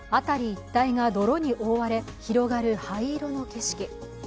辺り一帯が泥に覆われ広がる灰色の景色。